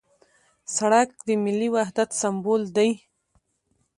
سړک د ملي وحدت سمبول دی.